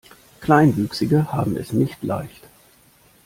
Kleinwüchsige haben es nicht leicht.